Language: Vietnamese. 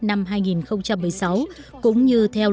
năm hai nghìn một mươi sáu cũng như theo